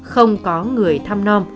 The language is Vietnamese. không có người thăm non